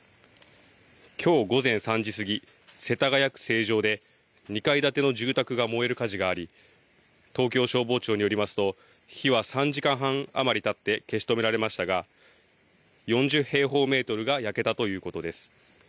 きょう午前３時過ぎ、世田谷区成城で２階建ての住宅が燃える火事があり東京消防庁によりますと火は３時間半余りたって消し止められましたが４０平方メートルが焼けたということです。